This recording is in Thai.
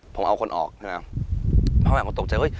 ผมเอาคนออกพ่อแม่ผมตกใจ